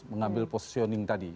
mengambil positioning tadi